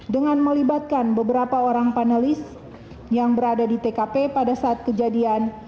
dengan melibatkan beberapa orang panelis yang berada di tkp pada saat kejadian